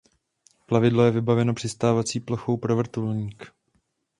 Plavidlo je vybaveno přistávací plochou pro vrtulník.